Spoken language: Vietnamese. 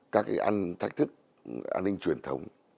các thách thức an ninh truyền thống